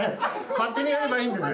勝手にやればいいんだよね。